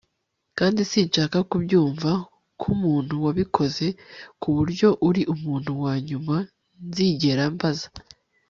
kandi sinshaka kubyumva kumuntu wabikoze kuburyo uri umuntu wanyuma nzigera mbaza